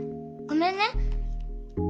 ごめんね。